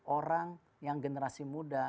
orang yang generasi muda